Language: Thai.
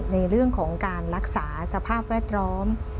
ในเรื่องของการรักษาสภาพแวดล้อม